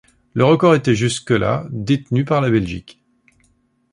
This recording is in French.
Le record était jusque-là détenu par la Belgique.